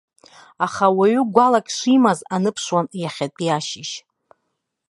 Аха, ауаҩы гәалак шимаз аныԥшуан иахьатәи ашьыжь.